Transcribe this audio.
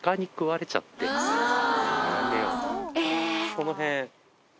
この辺。